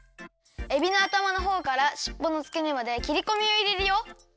えびのあたまのほうからしっぽのつけねまできりこみをいれるよ。